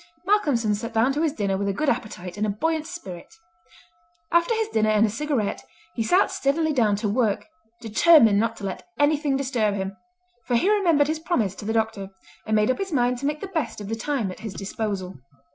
Malcolmson sat down to his dinner with a good appetite and a buoyant spirit. After his dinner and a cigarette he sat steadily down to work, determined not to let anything disturb him, for he remembered his promise to the doctor, and made up his mind to make the best of the time at his disposal.